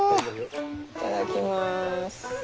いただきます。